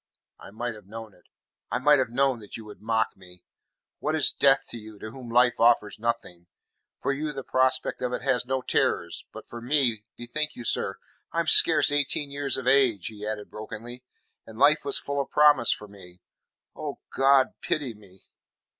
"I might have known it. I might have known that you would mock me. What is death to you, to whom life offers nothing? For you the prospect of it has no terrors. But for me bethink you, sir, I am scarce eighteen years of age," he added brokenly, "and life was full of promise for me. O God, pity me!"